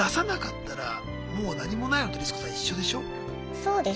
そうです。